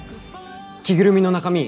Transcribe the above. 着ぐるみの中身